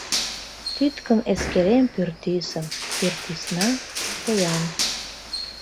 Тӱткын эскерем Пӱртӱсым, Пӱртӱсна — поян.